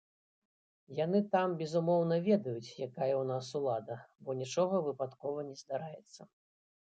Яны там, безумоўна, ведаюць, якая ў нас улада, бо нічога выпадкова не здараецца.